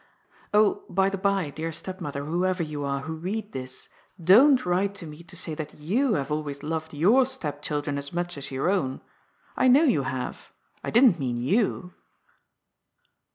Oh, by the bye, dear stepmother, whoever you are, who read this, don't write to me to say that you have always loved your stepchildren as much as your own. I know you have. I didn't mean you.